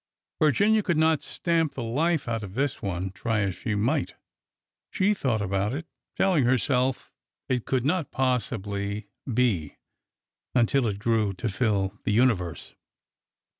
Virginia could not stamp the life out of this one, try as she might. She thought about it — telling herself it could not possibly be — until it grew to fill the universe.